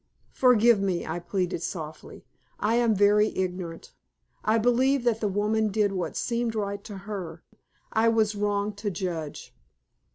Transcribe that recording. "Forgive me!" I pleaded, softly. "I am very ignorant. I believe that the woman did what seemed right to her. I was wrong to judge."